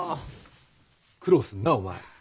苦労するなお前。